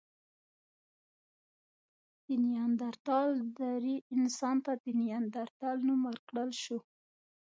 د نیاندرتال درې انسان ته د نایندرتال نوم ورکړل شو.